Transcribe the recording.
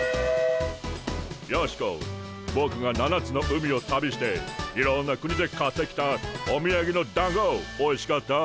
ヨシコボクが七つの海を旅していろんな国で買ってきたおみやげのだんごおいしかった？